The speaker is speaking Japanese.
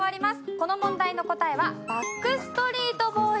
この問題の答えはバックストリート・ボーイズです。